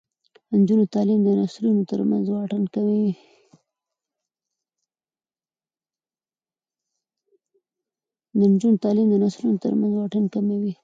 د نجونو تعلیم د نسلونو ترمنځ واټن کموي.